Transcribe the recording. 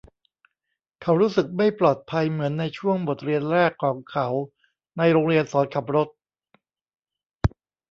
เขารู้สึกไม่ปลอดภัยเหมือนในช่วงบทเรียนแรกของเขาในโรงเรียนสอนขับรถ